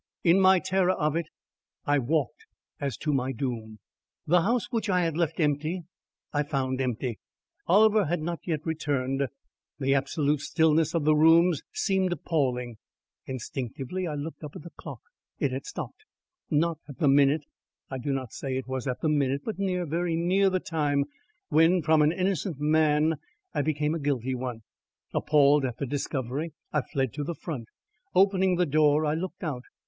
In my terror of it I walked as to my doom. The house which I had left empty, I found empty; Oliver had not yet returned. The absolute stillness of the rooms seemed appalling. Instinctively, I looked up at the clock. It had stopped. Not at the minute I do not say it was at the minute but near, very near the time when from an innocent man I became a guilty one. Appalled at the discovery, I fled to the front. Opening the door, I looked out.